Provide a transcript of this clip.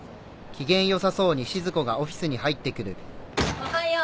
おはよう。